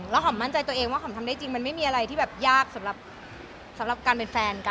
หอมมั่นใจตัวเองว่าหอมทำได้จริงมันไม่มีอะไรที่แบบยากสำหรับการเป็นแฟนกัน